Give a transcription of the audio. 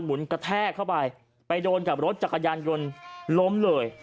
กระแทกเข้าไปไปโดนกับรถจักรยานยนต์ล้มเลย